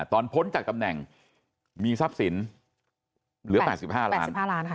ตอนพ้นจากตำแหน่งมีทรัพย์สินเหลือแปดสิบห้าร้านแปดสิบห้าร้านค่ะ